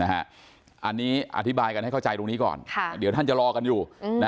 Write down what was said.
อันนี้อธิบายกันให้เข้าใจตรงนี้ก่อนเดี๋ยวท่านจะรอกันอยู่